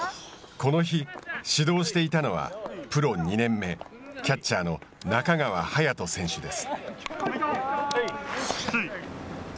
この日、指導していたのはプロ２年目、キャッチャーの中川勇斗選手です。